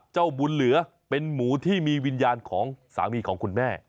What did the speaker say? เจ้าบุญเหลือเป็นหมูที่มีวิญญาณของสามีของคุณแม่